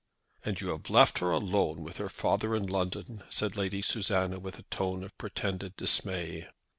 "And you have left her alone with her father in London," said Lady Susanna, with a tone of pretended dismay.